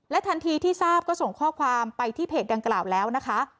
ทันทีที่ทราบก็ส่งข้อความไปที่เพจดังกล่าวแล้วนะคะ